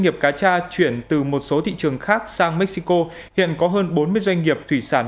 nghiệp cá tra chuyển từ một số thị trường khác sang mexico hiện có hơn bốn mươi doanh nghiệp thủy sản